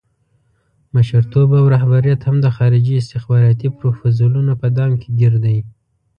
مشرتوب او رهبریت هم د خارجي استخباراتي پروفوزلونو په دام کې ګیر دی.